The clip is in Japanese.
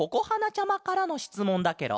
ちゃまからのしつもんだケロ。